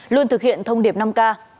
luôn thực hiện thông điệp năm ca